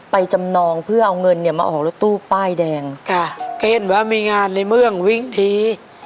จำนองเพื่อเอาเงินเนี่ยมาออกรถตู้ป้ายแดงค่ะเก้นว่ามีงานในเมืองวิ่งที